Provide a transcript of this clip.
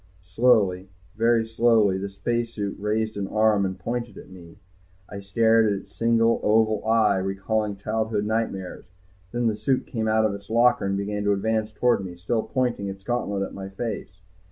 Slowly, very slowly, the spacesuit raised an arm and pointed at me. I stared at its single, oval eye, recalling childhood nightmares. Then the suit came out of its locker and began to advance toward me, still pointing its gauntlet at my face.